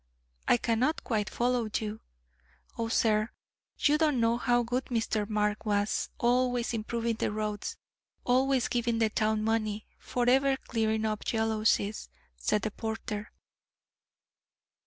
"I cannot quite follow you." "Oh, sir, you don't know how good Mr. Mark was: Always improving the roads; always giving the town money; forever clearing up jealousies," said the porter.